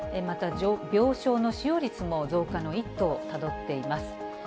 また病床の使用率も増加の一途をたどっています。